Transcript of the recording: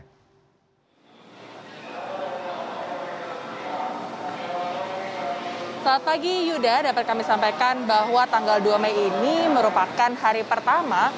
selamat pagi yuda dapat kami sampaikan bahwa tanggal dua mei ini merupakan hari pertama